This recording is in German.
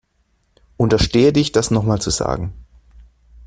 Unterstehe dich, das noch mal zu sagen!